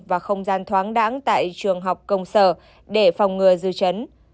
và không gian thoáng đẵng tại trường học công sở để phòng ngừa dư trấn